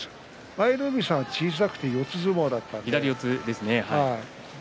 舞の海さんは小さくて四つ相撲でした。